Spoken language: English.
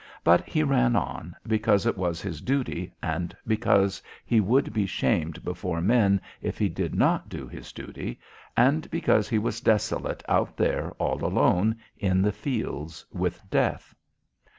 But he ran on, because it was his duty, and because he would be shamed before men if he did not do his duty, and because he was desolate out there all alone in the fields with death.